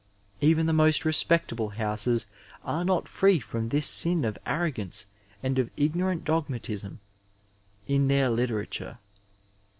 Even the most respectable houses are not free from this sin of arrc^ance and of ignorant dogmatism m their Uterature.